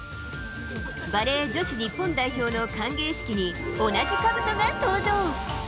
バレー女子日本代表の歓迎式に、同じかぶとが登場。